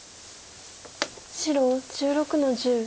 白１６の十。